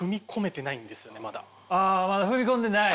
あまだ踏み込んでない？